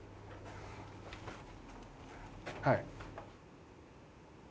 はい。